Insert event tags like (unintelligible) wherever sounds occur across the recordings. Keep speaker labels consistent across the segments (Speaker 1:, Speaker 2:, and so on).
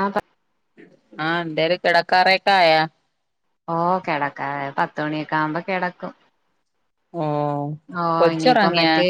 Speaker 1: ആഹ്
Speaker 2: ആഹ് എന്തെര് കെടക്കാറേക്കായാ
Speaker 1: ഓഹ് കെടക്കാറാ പത്ത് മണിയൊക്കെ ആവുമ്പം കെടക്കും
Speaker 2: ആഹ്
Speaker 1: ഓഹ് ഇനിയിപ്പ മറ്റേ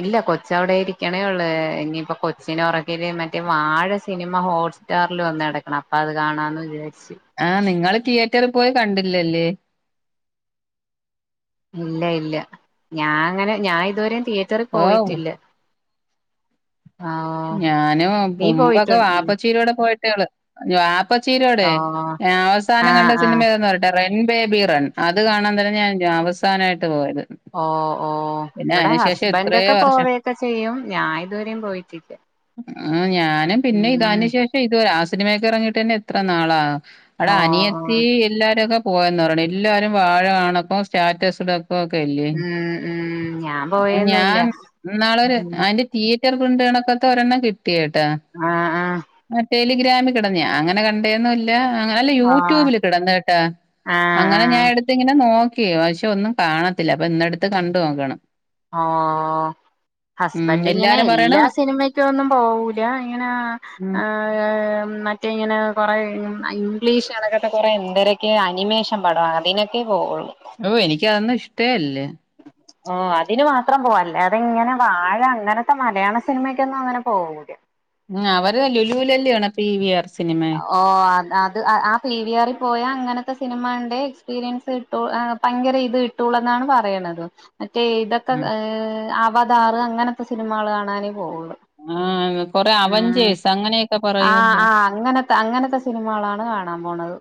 Speaker 1: ഇല്ല കൊച്ച് അവിടെ ഇരിക്ണേ ഒള്ളെ ഇനിപ്പോ കൊച്ചിനെ ഒറ‌ക്കിട്ട് മറ്റേ വാഴ സിനിമ ഹോട് സ്റ്റാറില് വന്ന് കെടക്ക്ണ് അപ്പ അത് കാണാന്ന് വിചാരിച്ച്
Speaker 2: ആഹ് നിങ്ങള് തിയേറ്ററി പോയി കണ്ടില്ലല്ലേ?
Speaker 1: ഇല്ല ഇല്ല ഞാങ്ങനെ ഞാൻ ഇതുവരെ തിയേറ്ററി
Speaker 2: ഓ
Speaker 1: പോയിട്ടില്ല ആഹ്
Speaker 2: ഞാനും
Speaker 1: നീ
Speaker 2: മുമ്പൊക്കെ
Speaker 1: പോയിട്ടുണ്ട്
Speaker 2: വാപ്പച്ചീടെ കൂടെ പോയിട്ടേള്ള് ഇനി വാപ പ്പച്ചീടോടെ
Speaker 1: ഓ
Speaker 2: അവസാനം
Speaker 1: ആഹ്
Speaker 2: കണ്ട
Speaker 1: ആഹ്
Speaker 2: സിനിമ ഏതാന് പറ റൺ ബേബി റൺ അത് കാണാൻ തന്നെ ഞാൻ ര അവസാനായിട്ട് പോയത്
Speaker 1: ഓ ഓ
Speaker 2: പിന്നെ
Speaker 1: ഇവിടെ
Speaker 2: അതിനു ശേഷം എത്രേ
Speaker 1: ഹസ്ബന്റോക്കെ
Speaker 2: വർഷം
Speaker 1: പോവെക്കെ ചെയ്യും ഞാൻ ഇതുവരെയും പോയിട്ടില്ല
Speaker 2: ആഹ് ഞാനും പിന്നെ
Speaker 1: ഉം
Speaker 2: ഇതാനുശേഷം ഇത് ആഹ് സിനിമയോക്കെ ഇറങ്ങിട്ട് തന്നെ എത്ര നാളാ അവിടെ
Speaker 1: ഓ ഓ
Speaker 2: അനിയത്തി എല്ലാരൊക്കെ പോയെന്ന് പറയണ് എല്ലാരും വാഴ കാണപ്പം സ്റ്റാറ്റസിടു ക്കോക്കെല്ലേ
Speaker 1: ഉം ഉം ഞാൻ പോയൊന്നുല്ല
Speaker 2: ഞാൻ ഇന്നാളൊരു
Speaker 1: ഉം
Speaker 2: ആന്റി തീയേറ്റർ കൊണ്ടണൊക്കത്ത ഒരെണ്ണം കിട്ടിയേട്ടാ
Speaker 1: ആഹ് ആഹ്
Speaker 2: ആഹ് ടെലിഗ്രാമി കെടന്നയാ അങ്ങനെ കണ്ടേന്ന് (unintelligible) അല്ല
Speaker 1: ആഹ്
Speaker 2: യൂട്യൂബില് കെടന്ന കേട്ടാ
Speaker 1: ആഹ്
Speaker 2: അങ്ങനെ ഞാൻ
Speaker 1: ആഹ്
Speaker 2: എട് ത്ത്ങ്ങനെ നോക്കി പക്ഷെ ഒന്നും കാണത്തില്ല അപ്പൊ ഇന്നടുത്ത് കണ്ടു നോക്കണം
Speaker 1: ആഹ്
Speaker 2: ഉം
Speaker 1: ഹസ്ബൻഡ് ഇങ്ങനെ
Speaker 2: എല്ലാരും പറയണ
Speaker 1: എല്ലാ സിനിമ ക്കൊന്നും പോകൂല്ല ഇങ്ങനെ
Speaker 2: ഉം
Speaker 1: ഹാഹ്... മറ്റേ ഇങ്ങനെ കൊറെ ഇംഗ്ലീഷ് അതൊക്കെ കുറേ ന്തരെ ക്കെ അനിമേഷൻ പടാ അതിനൊക്കെ പോവുള്ളു.
Speaker 2: ഓഹ് എനിക്ക് അതൊന്നും ഇഷ്ടേ ല്ല
Speaker 1: ഓ അതിന് മാത്രം പോവാ, അല്ലാതെ ഇങ്ങനെ വാഴ അങ്ങനത്തെ മലയാള സിനിമക്കൊന്നും അങ്ങനെ പോവൂല്ല.
Speaker 2: ഉ അവരെ ലുലൂലല്ല ആണ് പി വി ആർ സിനിമ
Speaker 1: ഓ അ അത് ആ പി വി ആറി പോയാ അങ്ങനത്തെ സിനിമ ണ്ട് എക്സ്പീരിയൻസ് ഒ അ ഭയങ്കര ഇത് കിട്ടുള്ള എന്നാണ് പറയണത് മറ്റേ ഇതൊ ക്കെ
Speaker 2: ഉം
Speaker 1: ഹ് അവതാറ് അങ്ങനത്തെ സിനിമകൾ കാണാനേ പോവുള്ളു.
Speaker 2: ആഹ് കൊറെ
Speaker 1: ഉം
Speaker 2: അവഞ്ചേസ് അങ്ങനെയൊക്കെ
Speaker 1: ആ
Speaker 2: പറയൂല്ലേ
Speaker 1: ആ അങ്ങനത്തെ അങ്ങനത്തെ സിനിമകളാണ് കാണാൻ പോണത്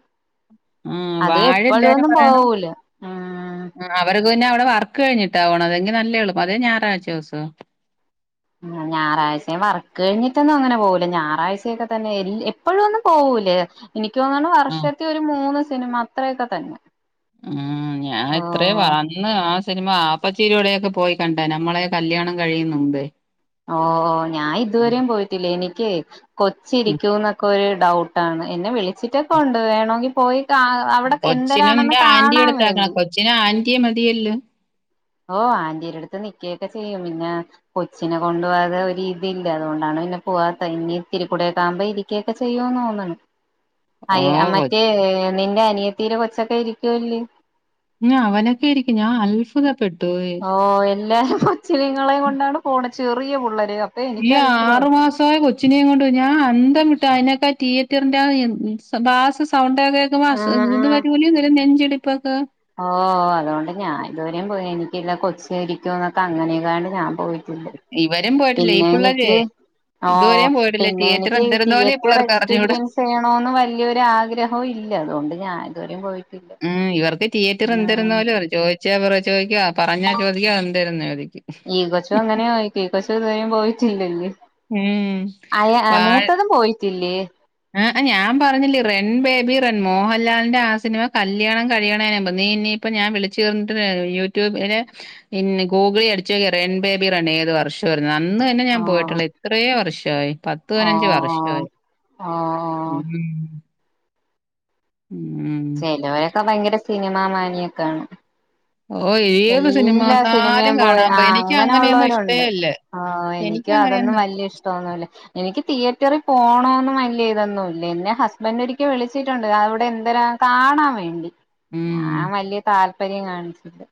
Speaker 2: ഉം
Speaker 1: അത്
Speaker 2: വാഴ
Speaker 1: എപ്പോഴും
Speaker 2: എല്ലാരും
Speaker 1: ഒന്നും
Speaker 2: പറയണ്
Speaker 1: പോവൂല ഉം
Speaker 2: ആ അവർക്ക് പിന്നെ അവിടെ വർക്ക് കഴിഞ്ഞിട്ടാവണം അതെങ്കിൽ നല്ലേള്ളൂ അതേ ഞായറാഴ്ച ദിവസോ?
Speaker 1: ഞായറാഴ്ച വർക്ക് കഴിഞ്ഞിട്ടൊന്നും അങ്ങനെ പോകൂല ഞായറാഴ്ചയൊക്കെ തന്നെ എപ്പോഴും ഒന്നും പോവൂലേ എനിക്ക് തോന്ന്ണു
Speaker 2: ആ
Speaker 1: വർഷത്തി ഒരു മൂന്ന് സിനിമ അത്രയൊക്കെ തന്നെ
Speaker 2: ഉം ഞാൻ ഇത്രേ
Speaker 1: ഓ
Speaker 2: വ ഇന്ന് ആ സിനിമ ആപ്പച്ചിരിയോടൊക്കെ പോയി കണ്ട നമ്മളെ കല്യാണം കഴിയുന്നുമ്പെ
Speaker 1: ഓ. ഞാൻ ഇതുവരെയും പോയിട്ടില്ലേ എനിക്ക്
Speaker 2: ഉം.
Speaker 1: കൊച്ചിരിക്കൂ ന്നൊക്കെരു ഡൗട്ട് ട്ടാണ് എന്നെ വിളിച്ചിട്ടൊക്കെണ്ട് വേണോങ്കി പോയി കാ അവിടെ എന്തരാണെന്ന് കാണാൻ വേണ്ടി
Speaker 2: ച ആൻ്റി മതിയല്ലോ
Speaker 1: ഓ ആന്റീടെ അടുത്ത് നിക്കയൊക്കെ ചെയ്യും പിന്നെ കൊച്ചിനെ കൊണ്ടു പോകാതെ ഒരു ഇതില്ല അതുകൊണ്ടാണ് പിന്നെ പോവാത്ത ഇനി ഇത്തിരി കൂടൊക്കെ ആകുമ്പോ ഇരിക്ക കേക്കെ ചെയ്യോന്ന് തോന്ന്ണു
Speaker 2: (inaudible)
Speaker 1: അയ മറ്റേ നിന്റെ അനിയത്തീടെ കൊച്ചൊക്കെ ഇരിക്കുവല്ലേ
Speaker 2: ഞ അവനൊക്കെയിരിക്കും ഞാൻ അൽ ഭുത പെട്ടു പോയി
Speaker 1: ഓഹ് എല്ലാരും കൊച്ചിനങ്ങളെയും കൊണ്ടാണ് പോണ ചെറിയ പുള്ളേരെ
Speaker 2: ഇയ ആറ്മാസായ കൊച്ച് ച്ചിനെയും കൊണ്ട് ഞാൻ അന്തം വിട്ട അതിനൊക്കെ തിയേറ്ററിന്റെ ബാസിസ്റ്റ് സൗണ്ട ഒക്കെ കേക്കും മ്പം അസ
Speaker 1: ആഹ്
Speaker 2: ഇത്
Speaker 1: ആഹ്
Speaker 2: വരൂലെ ഇ നെഞ്ചടിപ്പൊക്കെ
Speaker 1: ഓ അതുകൊണ്ട് ഞാൻ ഇതുവരെയും പോയി എനിക്കല്ല കൊച്ചി ഇരിക്കും എന്നൊക്കെ അങ്ങനെയക്കാണ്ട് ഞാൻ പോയി. ട്ടില്ല
Speaker 2: ഇവരും പോയിട്ടില്ല. ഈ
Speaker 1: പിന്നെ
Speaker 2: പിള്ളേരെ
Speaker 1: എനിക്ക് ഓ
Speaker 2: ഇതുവരെയും പോയിട്ടില്ല.
Speaker 1: പിന്നെ
Speaker 2: തിയേറ്റർ
Speaker 1: എനിക്ക്
Speaker 2: എന്തിരുന്നാലും ഈ
Speaker 1: തിയേറ്റർ
Speaker 2: പിള്ളേർക്ക് അറിഞ്ഞൂട.
Speaker 1: എക്സ്പീരിയൻസ് ചെയ്യണന്ന് വലിയൊരു ആഗ്രഹവും ഇല്ല അതുകൊണ്ട് ഞാൻ ഇതുവരെയും പോയിട്ടില്ല.
Speaker 2: ഉം ഇവർക്ക് തിയേറ്റർ
Speaker 1: ഉം
Speaker 2: എന്തിരുന്നലോ ചോദിച്ചാൽ അവർ ചോദിക്കാ പറഞ്ഞാ ചോദിക്കാ എന്തിരുന്നെ ചോദിക്കും.
Speaker 1: ഈ കൊച്ചോ അങ്ങനെ ചേയിക്കും ഈ കൊച്ചു ഇതു വരോം പോയിട്ടില്ലല്ലേ
Speaker 2: ഉം
Speaker 1: അയാ ആ മൂത്തതും പോയിട്ടില്ലേ?
Speaker 2: ആ ഞാൻ പറഞ്ഞില്ലേ റൺ ബേബി റൺ മോഹൻലാലിന്റെ ആ സിനിമ കല്യാണം കഴിയണനുമ്പ് നീ ഇനി ഇപ്പൊ ഞാൻ വിളിച്ചോണ്ട് വ യൂട്യൂബിലെ പിന്നെ ഗൂഗിളി അടിച്ചുോക്ക്യാറി റൺ ബേബി റൺ ഏത് വർഷ അന്ന് തന്നെ
Speaker 1: ഓ
Speaker 2: ഞാൻ പോയിട്ടുള്ള. ഇത്രേ വർഷായി പത്ത് പതിനഞ്ച് വർഷായി
Speaker 1: ആഹ്.
Speaker 2: ഉം ഉ.
Speaker 1: ചെലവരൊക്കെ ഭയങ്കര സിനിമാ മാനിയൊക്കെയാണ്
Speaker 2: ഓ ഏത് സിനിമ
Speaker 1: എല്ലാ
Speaker 2: വന്നാലും
Speaker 1: സിനിമയും പോയി
Speaker 2: കാണാൻ
Speaker 1: ആ
Speaker 2: എനിക്ക്
Speaker 1: അങ്ങനെ
Speaker 2: അങ്ങനെയൊന്നും ഇഷ്ടേ
Speaker 1: ഉള്ളവരുണ്ട്.
Speaker 2: അല്ല
Speaker 1: ആഹ
Speaker 2: എനിക്ക്
Speaker 1: ഇനിക്ക് അതൊന്നും
Speaker 2: അങ്ങനെയൊന്നും ഇഷ്ട
Speaker 1: വല്ല്യ ഇഷ്ട്ടൊന്നു ഇല്ല എനിക്ക് തിയേറ്ററിൽ പോകണോന്നും വല്ല ഇതൊന്നും ഇല്ല എന്നെ ഹസ്ബൻഡറ് ഒരിക്കൽ വിളിച്ചിട്ടുണ്ട് അവിടെ എന്തരാ കാണാൻ വേണ്ടി
Speaker 2: ഉം
Speaker 1: ഞാൻ വലിയ താല്പര്യം കാണിച്ചത്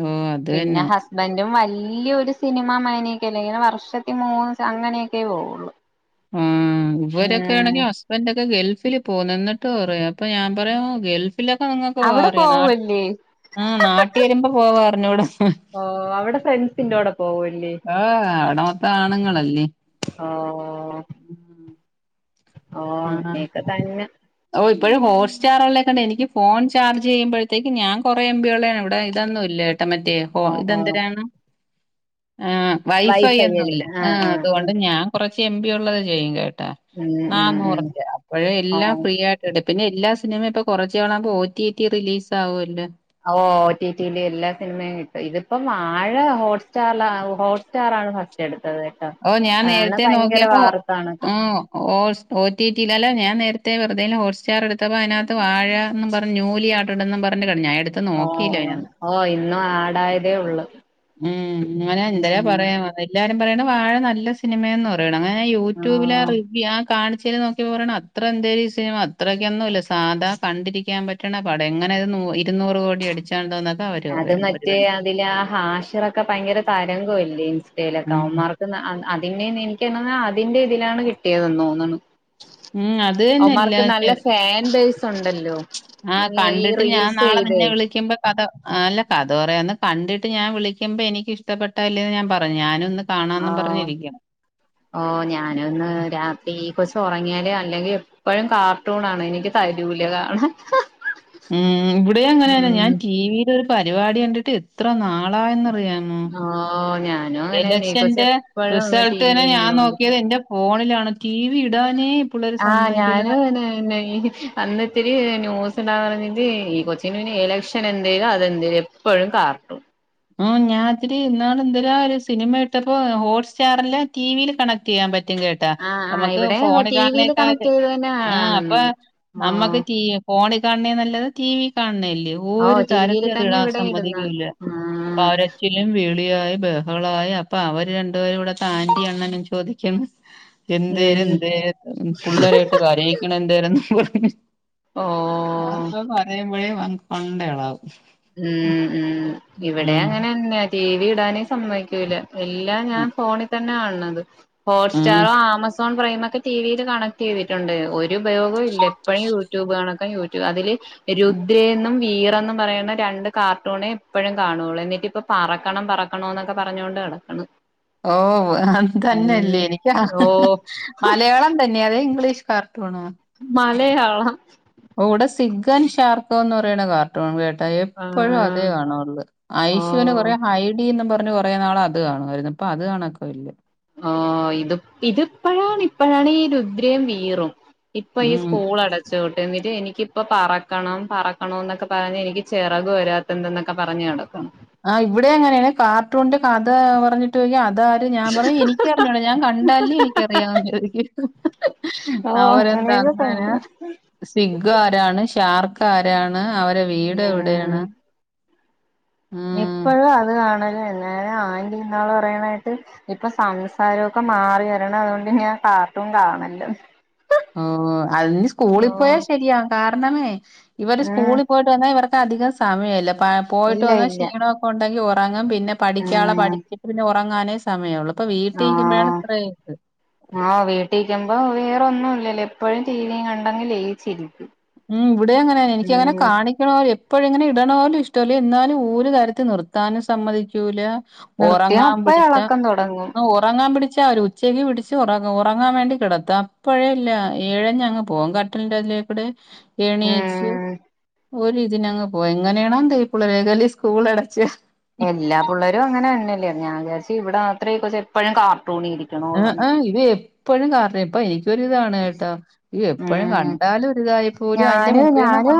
Speaker 2: ഓ അതെ
Speaker 1: പിന്ന ഹസ് ബന്റും വല്യയൊരു സിനിമ മാനേക്കെല്ല ഇങ്ങനെ വർഷത്തി മൂന്ന് അങ്ങനെയൊക്കെ പോവുള്ളു
Speaker 2: ഉം ഇവരൊക്കെ ആണെങ്കി
Speaker 1: ഉം
Speaker 2: ഹസ് ബന്റൊക്കെ ഗൾഫിൽ പോന്ന് എന്നിട്ട് പറയാ അപ്പൊ ഞാൻ പറയാ ഗൾ ഫിലൊക്കെ നിങ്ങൾക്ക്
Speaker 1: അവിടെ
Speaker 2: പോവാറിയ, നാട്ട്
Speaker 1: പോവൂല്ലേ
Speaker 2: ആഹ് നാട്ടി വരുമ്പോ പോവാ അറിഞ്ഞൂടാ
Speaker 1: ഓ അവിടെ ഫ്രണ്ട്സിന്റെ കൂടെ പോവൂല്ലേ
Speaker 2: ആഹ് അവിട മൊത്ത ആണുങ്ങളല്ലേ
Speaker 1: ഓ
Speaker 2: ഉം
Speaker 1: ഓ നീക്കെ തന്നെ
Speaker 2: ഓഹ് ഇപ്പൊഴ് ഹോട്ട് സ്റ്റാറ് ഇള്ളേക്കണ്ട് എനിക്ക് ഫോൺ ചാർജ് ചെയ്യുമ്പോഴത്തേക്ക് ഞാൻ കുറെ എം പി ഉള്ള ആണ് ഇവിടെ ഇതൊന്നും ഇല്ല മറ്റേ ഹോ
Speaker 1: ഓ ഓ
Speaker 2: ഇതെന്തരാനാണ്? ആ വൈ ഫൈ
Speaker 1: വൈഫൈ അല്ലേ
Speaker 2: ഒന്നുംല്ല
Speaker 1: ആ
Speaker 2: ആഹ്
Speaker 1: ആ ആ
Speaker 2: അതുകൊണ്ട് ഞാൻ കുറച്ച് എം ബി ഉള്ളത് ചെയ്യും കേട്ടാ
Speaker 1: ഉം
Speaker 2: ആഹ്
Speaker 1: ഉം ഉം
Speaker 2: നൂറ്ന്റെ അപ്പൊഴും
Speaker 1: ഓ
Speaker 2: എല്ലാം യിട്ടിടും. പിന്നെ എല്ലാ സിനിമയും ഇപ്പൊ കുറച്ച് നാളാവുമ്പോ ഓ റ്റി ഏറ്റിയത് റിലീസ് ആകുവല്ലോ
Speaker 1: ഓഹ് ഓ ടി ടി യില് എല്ലാ സിനിമയും കിട്ടും. ഇതിപ്പം വാഴ ഹോട്ട്സ്റ്റാർലാ ഹോട്ട് സ്റ്റാർ ആണ് ഫസ്റ്റ് എടുത്തത്
Speaker 2: ഓ ഞാൻ
Speaker 1: അതാണ്
Speaker 2: നേരത്തെ
Speaker 1: ഭയങ്കര
Speaker 2: നോക്കിയപ്പോ
Speaker 1: വാർത്താണൊക്കെ
Speaker 2: ഓ ഓസ് ഓ ടി ടി ലല്ല ഞാൻ നേരത്തെ വെറുതെലും ഹോട്ട്സ്റ്റാർ എടുത്തപ്പോ അതിനകത്ത് വാഴാന്നും പറഞ്ഞു ഞ്ഞുലി റ്റ്ട്ന്നും പറഞ്ഞ് ക ഞാ എടു
Speaker 1: ഓ ഓ ഓ ഇന്നും ആടായതേ ഉള്ളു
Speaker 2: ഉം അങ്ങനെ എന്തര
Speaker 1: ഉം
Speaker 2: പറയാ വന്ന് എല്ലാരും പറയണ വാഴ നല്ല സിനിമയാന്ന് പറ യണ്. അങ്ങനെ യൂട്യൂബില ആ റിവ്യൂ ആ കാണിച്ചേ നോക്കിയപ്പോ പറയണ് അത്‌ ത്ര എന്തേും ഈ സിനിമ അത്രയ്ക്കൊന്നും ഇല്ല സാത കണ്ടിരിക്കാൻ പറ്റ്ണ പടം എങ്ങനെ ഇത് നൂ ഇരുന്നൂറ് കോടി അടിച്ച (unintelligible)
Speaker 1: അത് മറ്റേ അതില് ആ ഹാഷറൊക്കെ ഭയങ്കര തരംഗവുംല്ലേ ഇൻസ്റ്റയിലൊക്കെ
Speaker 2: ഉം
Speaker 1: അവന്മാർക്ക് അത് അതിന്റേന്ന് എനിക്ക് (unintelligible) അതിന്റെ ഇതിലാണ് കിട്ടിയതന്ന് തോന്നുണു.
Speaker 2: ഉം അത് തന്നെയല്ല
Speaker 1: അവമാർക്ക് നല്ല ഫാൻ ബേസ് ഉണ്ടല്ലോ
Speaker 2: ആഹ്
Speaker 1: ഉം ഈ
Speaker 2: കണ്ടിട്ട് ഞാൻ
Speaker 1: റീൽസ്
Speaker 2: നാളെ
Speaker 1: ചെയ്തേ
Speaker 2: നിന്നെ വിളിക്കുമ്പ കഥ അല്ല കഥോറ അന്ന് കണ്ടിട്ട് ഞാൻ വിളിക്കുമ്പോ എനിക്ക് ഇഷ്ടപ്പെട്ടല്ലേന്ന് ഞാൻ പറഞ്ഞു ഞാന് ഒന്ന്
Speaker 1: ഓഹ് ഓഹ് ഞാനൊന്ന് രാത്രി ഈ കൊച്ച് ഉറങ്ങിയാല് അല്ലെങ്കി എപ്പൊഴും കാർട്ടൂൺ ആണ് എനിക്ക് തരൂല് കാണാൻ
Speaker 2: ഉം ഇവിടെ അങ്ങനെന്ന
Speaker 1: ഉം
Speaker 2: ഞാൻ ടി വിൽ ഒരു പരിപാടി കണ്ടിട്ട് എത്ര നാളയെന്നറിയാ മോ
Speaker 1: ഓ ഞാനും അങ്ങനെന്നെ ഈ കൊച്ച്
Speaker 2: എലക്ഷന്റെ
Speaker 1: എപ്പഴും ഇങ്ങനെ
Speaker 2: റിസൾട്ട്
Speaker 1: ടി
Speaker 2: തന്നെ
Speaker 1: വി
Speaker 2: ഞാൻ
Speaker 1: കണ്ടോണ്ടിരിക്കും
Speaker 2: നോക്കിയത് എന്റെ ഫോണിലാണ് ടി വി ഇടാനെ
Speaker 1: ആഹ് ഞാനു അങ്ങനെ തന്നെ ഈ അന്നിത്തിരി ന്യൂസ് ഇടാന്ന് പറഞ്ഞിട്ട് ഈ കൊച്ചിന് പിന്നെ ഇലക്ഷൻ എന്തേലും അതെന്തേലും എപ്പഴും കാർട്ടൂൺ
Speaker 2: ഉം ഞാത്തിരി ഇന്നാള് എന്തല ഒരു സിനിമ എടുത്തപ്പോ ഹോട്ട് സ്റ്റാറല്ല ടിവിയിൽ കണക്ട് ചെയ്യാൻ പറ്റും കേട്ട് ട്ടാ
Speaker 1: ആഹ് ആഹ്
Speaker 2: നമ്മക്ക്
Speaker 1: ഇവിടെ
Speaker 2: ഫോൺ
Speaker 1: ടി വിയില്
Speaker 2: കാൺനെക്കാ
Speaker 1: കണക്ട് ചെയ്ത് തന്നെ
Speaker 2: ആഹ് അപ്പൊ
Speaker 1: കാണുന്നത് ഓഹ്
Speaker 2: നമ്മക്ക് ടി ഫോണി കാൺണേ നല്ലത് ടി വി കാൺനല്ലേ
Speaker 1: ഓഹ്
Speaker 2: രു
Speaker 1: ടി
Speaker 2: തരത്തി
Speaker 1: വിയില്
Speaker 2: അത്
Speaker 1: തന്നെ
Speaker 2: ഇടാ
Speaker 1: ഇവിടെ ഇടുന്ന
Speaker 2: സമ്മതിക്കൂല
Speaker 1: ആഹ്
Speaker 2: കരച്ചിലും വിളിയായി ബഹകളായി അപ്പൊ അവര് രണ്ടു പേരും ഇവിടെത്തെ ആന്റി അണ്ണനും ചോദിക്കുന്നു എന്തേലും
Speaker 1: ഉം
Speaker 2: എന്തേ പുള്ളരയിട്ട് കരയിക്കണ എന്തേര്ന്ന്‌ പറഞ്ഞ്
Speaker 1: ഓഹ്
Speaker 2: അവർക്ക് അത്‌ പറയുമ്പൊഴേ പങ് പണ്ട ഇളവും.
Speaker 1: ഉം ഉം ഇവിടെ അങ്ങനെന്നെ ടി വി ഇടാനേ സമ്മതിക്കൂല. എല്ലാം ഞാൻ ഫോണിൽ തന്നെ കാണത്
Speaker 2: ഉം
Speaker 1: ഹോട്ട്സ്റ്റാറോ ആമ സോൺ പ്രൈമൊക്കെ ടിവിയിൽ കണക്ട് ചെയ്തിട്ടുണ്ട് ഒരു ഉപയോഗവും ഇല്ല എപ്പോഴും യൂട്യൂബ് കണക്ക യൂ രു അതില് രുദ്രേന്നും വീറെന്ന് പറിണെ രണ്ട് കാർട്ടൂണ് എപ്പഴും കാണോള് എന്നിട്ട് ഇപ്പ പറക്കണം പറക്കണോന്നൊക്കെ പറഞ്ഞൊണ്ട് നടക്ക്ണ്.
Speaker 2: ഓഹ് അതെന്നെല്ലേ എനിക്ക്
Speaker 1: ഓ
Speaker 2: മലയാളം ത ന്നെ അതോ ഇംഗ്ലീഷ് കാർട്ടുണോ?
Speaker 1: മലയാളം
Speaker 2: ഓഹ് ഇവടെ സിഗ്ഗൻ ഷാർക്കോന്ന് പറിണെ കാർ ട്ടൂണ് കേട്ടാ
Speaker 1: ആ
Speaker 2: എപ്പഴും അതേ കാണോള്ളൂ ഐഷൂന്
Speaker 1: ഓ
Speaker 2: കൊറെ ഐഡിന്ന് പറഞ്ഞ് കൊറെ നാള് അത് കാണുവായിരുന്നു ഇപ്പൊ അത് കാണക്ക ഇല്ല.
Speaker 1: ആഹ് ഇത് ഇതിപ്പഴാണ് ഇപ്പഴാണ് ഈ രുദ്രയും വീറും. ഇപ്പൊ ഈ
Speaker 2: ഉം.
Speaker 1: സ്കൂളട ച്ചക്കൂട്ട് എന്നിട്ട് എനിക്കിപ്പ പറക്കണം പറക്കണന്നൊക്കെ പറഞ്ഞ് എനിക്ക് ചെറക് വരാത്തന്തെന്നൊക്കെ പറഞ്ഞ് നട ക്ക്ണ്
Speaker 2: ആഹ് ഇവിടെ അങ്ങനെയാണ് കാർട്ടൂണിന്റെ കഥ പറഞ്ഞിട്ടൊയ്ക്ക അതാ എന്നിട്ട് ഞാൻ പറയും എനിക്കറിഞ്ഞൂട ഞാൻ കണ്ടാലല്ലേ എനിക്കറിയാന്ന് ചോദിക്കും
Speaker 1: ഓഹ്
Speaker 2: അവരെന്താ
Speaker 1: അങ്ങനെയൊക്കെ
Speaker 2: അങ്ങനെ?
Speaker 1: തന്നെയാ
Speaker 2: സിഗ്ഗ് ആരാണ് ഷാർക്ക് ആരാണ് അവരെ വീട്
Speaker 1: ഉം
Speaker 2: എവിടെയാണ് ഉം
Speaker 1: എപ്പഴും അത് കാണലെന്നെ ആന്റി ഇന്നാള് പറീണ കേട്ട് ഇപ്പൊ സംസാരോക്കെ മാറി വരണതോണ്ട് ഇങ്ങനെ കാർട്ടൂൺ കാണല്ലേന്ന്
Speaker 2: ഓഹ് അത്ഞ്ഞ് സ്കൂളി പോയാ
Speaker 1: ഓഹ്
Speaker 2: ശരിയാവു കാരണമേ ഇവര്
Speaker 1: ഉം
Speaker 2: സ്കൂളി പോയി ട്ട് വന്നാ ഇവർക്ക് അധികം സമയല്ല പോയീട്ട്
Speaker 1: ഇല്ല
Speaker 2: വെന്ന
Speaker 1: ഇല്ല
Speaker 2: ക്ഷീണൊക്കെ ഉണ്ടെങ്കി ഒറ ഒറങ്ങും പിന്നെ പഠിക്ക്യാള്ളെ
Speaker 1: ഉം
Speaker 2: പഠിച്ചിട്ട് പിന്നെ ഒറങ്ങാനേ സമയൊള്ളു ഇപ്പൊ വീട്ടി ഇരിക്കുമ്പഴാണ്
Speaker 1: ആഹ്
Speaker 2: ഇത്രേം ഇത്
Speaker 1: ആഹ് വീട്ടിരിക്കുമ്പോ വേറോന്നുല്ലല്ലോ എപ്പഴും ടിവി കണ്ടങ്ങ് ലയിച്ചിരിക്കും.
Speaker 2: ഉം ഇവിടെ അങ്ങനെന്നെ എനിക്കങ്ങനെ
Speaker 1: ഉം
Speaker 2: കാണി ക്ക്ണെ എപ്പഴും ഇങ്ങനെ ഇട്ണോലും ഇഷ്ട്ടല്ല എന്നാലും ഒര് തരത്തി നിർത്താനും സമ്മതിക്കൂല
Speaker 1: നിർത്തിയ
Speaker 2: ഒറങ്ങാൻ
Speaker 1: അപ്പ
Speaker 2: പിടിച്ച
Speaker 1: ഇളക്കം തുടങ്ങും
Speaker 2: ന്ന് ഒ ഒറങ്ങാൻ പിടിച്ചാ ഒരു ഉച്ചയ്ക്ക് പിടിച്ച് ഒറങ്ങും ഒറങ്ങാ വേണ്ടി കെടത്ത അപ്പഴേല്ലാ എഴഞ്ഞങ്ങ് പോവും ക ട്ടിലിന്റെടെക്കൂടെ എണീച്ച്
Speaker 1: ഉം
Speaker 2: ഒരിതിനങ്ങ് പോവ എങ്ങനെയാണോ എന്തോ ഈ പുള്ളേരൊക്കെല്ലേ സ്കൂള് അടച്ച്
Speaker 1: എല്ലാ പുള്ളേരും അങ്ങനെന്നെല്ലേ ഞാൻ വിചാരിച്ച് ഇവിടെ മാത്രേ ഈ കൊച്ചേപ്പഴും കാർട്ടൂണിരി
Speaker 2: ഹേ ഹേ ഇത് എപ്പഴും കാർട്ടൂൺ ഇപ്പ എ എനിക്കൊരിതാണ് കേട്ടോ ഇ എപ്പഴും
Speaker 1: ഉം
Speaker 2: കണ്ടാലും ഒരിതായിപ്പോലും അയിന്റെ മുമ്പേന്ന് മാ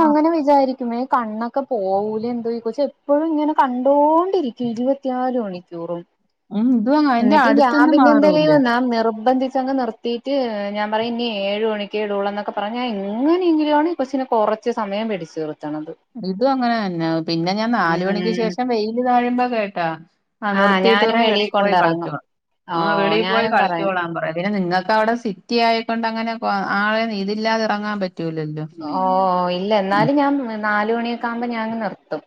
Speaker 1: മ്മേ കണ്ണൊക്കെ പോവൂലെ എന്തോ ഈ കൊച്ച് എപ്പഴും ഇങ്ങനെ കണ്ടോണ്ടിരിക്കും ഇരുപത്തിനാല് മണി ക്കൂറും
Speaker 2: ഉം ഇതും അതിന്റെ
Speaker 1: എന്നിട്ട് ഞാൻ
Speaker 2: അടുത്തൊന്നും
Speaker 1: പിന്നെ എന്തൊ
Speaker 2: മാറൂല്ല
Speaker 1: ചെയ്യൂന്നാ നിർബന്ധിച്ചങ്ങ് നിർ ത്തീട്ട് ഞാ പറിം ഇനി ഏഴ് മണിക്കേടൊള്ളൂ എന്നോക്കെ പറഞ്ഞ് എങ്ങനെയെങ്കിലാണ് ഈ കൊച്ചിനെ കൊറച്ച് സമയം പിടിച്ച് നിർത്ത്ണത്.
Speaker 2: ഇതും അങ്ങനെ തന്നെ പിന്നെ ഞാൻ നാല് മണിക്ക്
Speaker 1: ഉം
Speaker 2: ശേഷം വെയില് താഴുമ്പോ കേട്ടാ ആഹ് നിർത്തിയിട്ട്
Speaker 1: ഞാനും
Speaker 2: പറിം
Speaker 1: വെളിയിൽ
Speaker 2: വെളിയി പോയി
Speaker 1: കൊണ്ടിറങ്ങും
Speaker 2: കളിച്ചോളാ
Speaker 1: ഓ
Speaker 2: ആഹ് വെളീ പോയി
Speaker 1: ഞാനും പറയും
Speaker 2: കളിച്ചോളാം പറ്യേ പിന്നെ നിങ്ങക്കവിടെ സ് സിറ്റി ആയക്കൊണ്ടങ്ങനെ ആളെ ഇതില്ലാതെ എറങ്ങാൻ പറ്റൂലല്ലോ.
Speaker 1: ഓഹ് ഇല്ല എന്നാലും ഞാൻ നാല് മണിയൊക്കാവുമ്പോ ഞാനങ് നിർത്തും.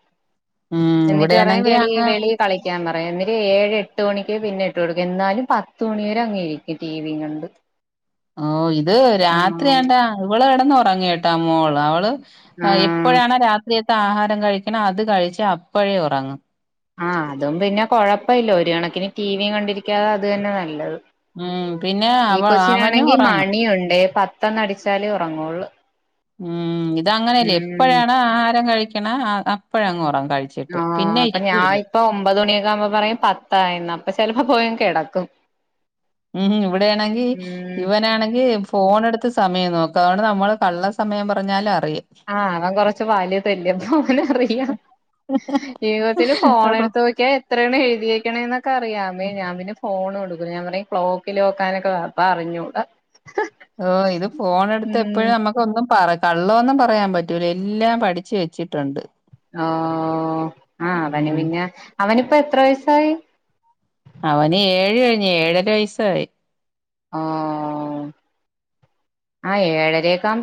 Speaker 2: ഉം
Speaker 1: എന്നിട്ട് പറിം
Speaker 2: ഇവിടെയാണെങ്കി
Speaker 1: വെളി
Speaker 2: അങ്ങ്
Speaker 1: വെളി കളിക്കാൻ പറയും എന്നിട്ട് ഏഴ് എട്ട് മണിക്ക് പിന്നെ ഇട്ട് കൊടുക്കും എന്നാലും പത്ത് മണി വരെ അങ്ങ് ഇരിക്കും ടിവി കണ്ട്
Speaker 2: ഓഹ് ഇത്
Speaker 1: ആഹ്
Speaker 2: രാത്രിയാണ്ട ഇവള് കെടന്ന് ഒറങ്ങു കേട്ടാ മോള് അവള് എ
Speaker 1: ആഹ്
Speaker 2: പ്പഴാണോ രാത്രിയത്തെ ആഹാരം കഴിക്ക്ണെ അത് കഴിച്ച അപ്പഴേ ഒറങ്ങും.
Speaker 1: ആഹ് അതും പിന്നെ കൊഴപ്പ ഇല്ല ഒരു കണക്കിന് ടിവി കണ്ടിരിക്കാതെ അത് തന്നെ നല്ലത്.
Speaker 2: ഉം പിന്നെ
Speaker 1: ഈ
Speaker 2: അവ അവനും
Speaker 1: കൊച്ചിനാണെങ്കി
Speaker 2: ഉറങ്ങും
Speaker 1: മണിയുണ്ട് പത്തന്നടിച്ചാലേ ഉറങ്ങുള്ളൂ
Speaker 2: ഉം ഇത് അങ്ങനെ അല്ലേയ്
Speaker 1: ഉം
Speaker 2: ഇപ്പഴാണ് ആഹാരം കഴിക്കണ് അ അപ്പഴങ്ങ് ഒറങ്ങും കഴിച്ച്
Speaker 1: ആഹ് പ്പൊ ഞാൻ ഇപ്പൊ ഒമ്പത് മണിയൊക്കെ ആകുമ്പോ പറയും പത്തായന്ന് അപ്പൊ ചെലപ്പോ പോയങ്ങ് കെടക്കും
Speaker 2: ഉം ഉം ഇവിടെയാണെങ്കി
Speaker 1: ഉം
Speaker 2: ഇവനാണെങ്കി ഫോണെടുത്ത് സമയം നോ‌ക്കും അതോണ്ട് നമ്മള് കള്ള സമയം പറഞ്ഞാലും അറിയും
Speaker 1: ആഹ് അവൻ കൊറച്ചു വാല്തല്ലേ അപ്പോ അവന് അറിയ ഈ കൊച്ച്ന് ഫോൺ
Speaker 2: അപ്പൊ
Speaker 1: എടുത്തു നോക്കിയാ എത്രയേണ് എഴുതിയക്കണേന്നൊക്കെ അറിയാമേ ഞാൻ പിന്നെ ഫോണോടു (unintelligible) ക്ലോക്കില് നോക്കാനൊക്കെ അപ്പ അറിഞ്ഞൂടാ
Speaker 2: ഓഹ് ഇത് ഫോണെടുത്ത്
Speaker 1: ഉം
Speaker 2: എപ്പോഴും നമ്മ- ഇപ്പൊന്നും പറ കള്ളൊന്നും പറയാൻ പറ്റൂല എല്ലാം പഠിച്ച് വെച്ചിട്ടുണ്ട്
Speaker 1: ഓഹ് ആഹ് അവന്
Speaker 2: ഉം
Speaker 1: പിന്നെ അവനിപ്പോ എത്ര വയസായി
Speaker 2: അവന് ഏഴ് കഴിഞ്ഞ് ഏഴര വയസ്സായി
Speaker 1: ആഹ് ആഹ് ഏഴരേക്കാവുമ്പ -